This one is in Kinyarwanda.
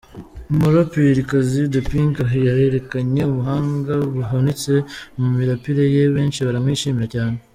Umuraperikazi The Pink yerekanye ubuhanga buhanitse mu mirapire ye benshi baramwishimira cyane.